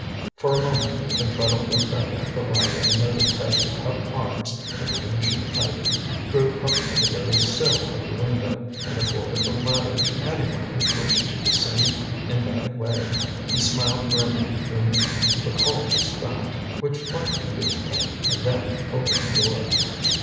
For a moment Pentreddle looked up at the light and noted that the tough arms of the ancient ivy grew up to the very sill of the window, and afforded a ladder to anyone who wished to descend in that way. He smiled grimly when he recalled this fact, which might be useful, and then opened the door.